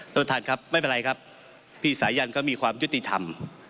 สรุภฐานครับไม่เป็นไรครับพี่สายหญ้ันก็มีความยุติธรรม